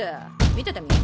見ててみ。